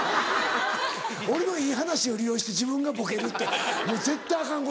俺のいい話を利用して自分がボケるって絶対アカンことや。